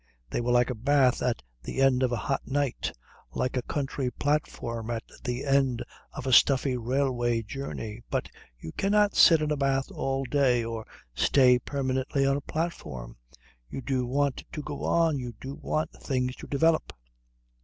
They were like a bath at the end of a hot night; like a country platform at the end of a stuffy railway journey. But you cannot sit in a bath all day, or stay permanently on a platform. You do want to go on. You do want things to develop.